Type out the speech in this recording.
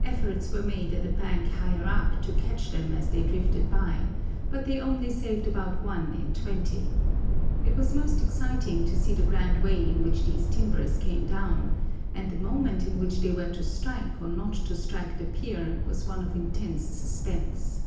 Efforts were made at a bank higher up to catch them as they drifted by, but they only saved about one in twenty. It was most exciting to see the grand way in which these timbers came down; and the moment in which they were to strike or not to strike the pier was one of intense suspense.